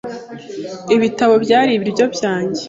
Ibitabo byari ibiryo byanjye